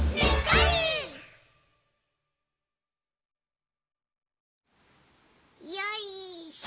いよいしょ！